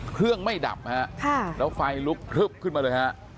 เครื่องไม่ดับฮะแล้วไฟลุกพลึบขึ้นมาเลยฮะ